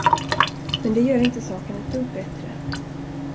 Men det gör inte saken ett dugg bättre!